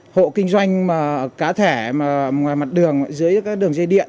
hộ kinh doanh cá thể mà ngoài mặt đường dưới các đường dây điện